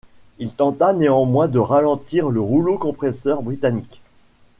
Il tenta néanmoins de ralentir le rouleau compresseur britannique.